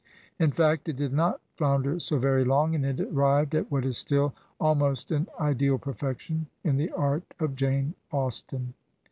In fact, it did not flounder so very long, and it arrived at what is still al most an ideal perfection in the art of Jane Austen.